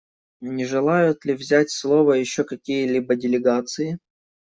Не желают ли взять слово еще какие-либо делегации?